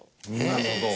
なるほど。